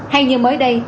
hay như mới đây